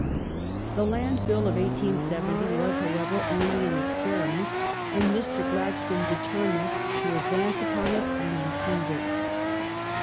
The Land Bill of 1870 was, however, only an experiment, and Mr. Gladstone determined to advance upon it and improve it.